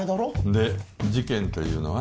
で事件というのは？